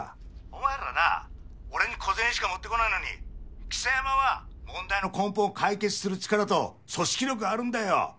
お前らな俺に小銭しか持ってこねぇのに象山は問題の根本を解決する力と組織力があるんだよ。